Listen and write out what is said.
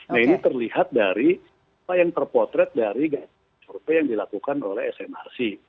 nah ini terlihat dari apa yang terpotret dari survei yang dilakukan oleh smrc